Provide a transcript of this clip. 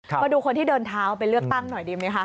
มาดูคนที่เดินเท้าไปเลือกตั้งหน่อยดีไหมคะ